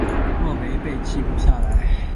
若没被记录下来